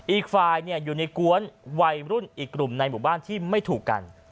อีกฝ่ายอยู่ในกวนวัยรุ่นอีกกลุ่มในหมู่บ้านที่ไม่ถูกกัน